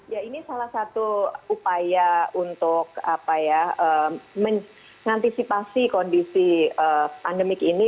ya ini salah satu upaya untuk mengantisipasi kondisi pandemik ini